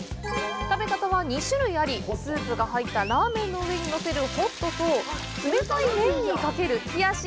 食べ方は２種類あり、スープが入ったラーメンの上にのせる「ホット」と、冷たい麺にかける「冷やし」。